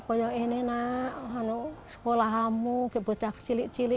pokoknya ini nak sekolah kamu kek bocah kecilik cilik